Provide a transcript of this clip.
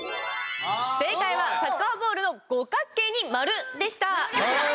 正解は、サッカーボールの五角形に丸でした！